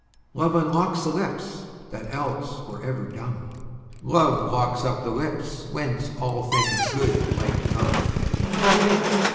Love unlocks the lips that else were ever dumb: "Love locks up the lips whence all things good might come."